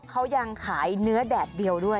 เขายังขายเนื้อแดดเดียวด้วย